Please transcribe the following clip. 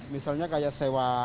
misalnya kayak sewa gitu kan